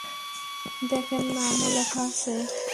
দেখেন, নামও লেখা আছে।